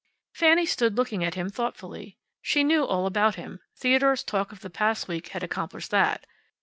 Fanny stood looking at him thoughtfully. She knew all about him. Theodore's talk of the past week had accomplished that.